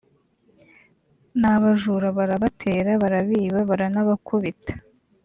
n’abajura barabatera barabiba baranabakubita